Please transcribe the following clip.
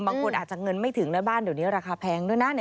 บางคนอาจจะเงินไม่ถึงนะบ้านเดี๋ยวนี้ราคาแพงด้วยนะ